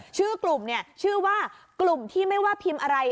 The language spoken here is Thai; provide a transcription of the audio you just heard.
ชื่อกลุ่มเนี่ยชื่อว่ากลุ่มที่ไม่ว่าพิมพ์อะไร